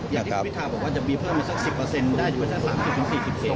อย่างที่คุณวิทยาบอกว่าจะมีเพิ่มมาสัก๑๐ได้ช่วงจาก๓๐๔๐ถูกลงยกของผู้ท่าน